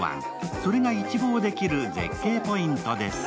それが一望できる絶景ポイントです。